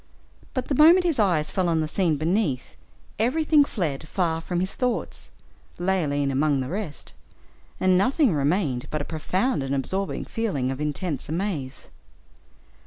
But the moment his eyes fell on the scene beneath, everything fled far from his thoughts, Leoline among the rest; and nothing remained but a profound and absorbing feeling of intensest amaze.